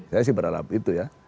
saya sih berharap itu ya